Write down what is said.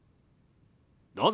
どうぞ！